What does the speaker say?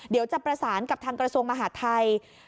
เดี๋ยวจะประสานกับทางกระทรวงมหาดไทย